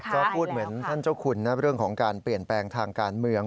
ก็พูดเหมือนท่านเจ้าคุณนะเรื่องของการเปลี่ยนแปลงทางการเมือง